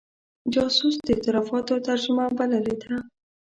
جاسوس د اعترافاتو ترجمه بللې ده.